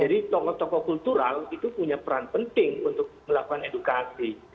jadi tokoh tokoh kultural itu punya peran penting untuk melakukan edukasi